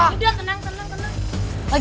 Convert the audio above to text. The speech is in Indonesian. udah tenang tenang tenang